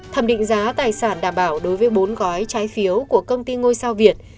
thẩm định giá tài sản đảm bảo đối với bốn gói trái phiếu của công ty ngôi sao việt